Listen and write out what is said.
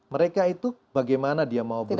mereka itu bagaimana dia mau berubah